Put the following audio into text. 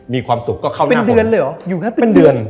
มีความสุขก็เข้าหน้าผมเป็นเดือนเลยหรออยู่ครับเป็นเดือน